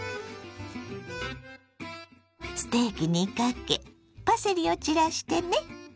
ステーキにかけパセリを散らしてね。